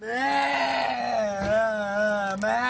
แม่มาช่วยดีกันนะแม่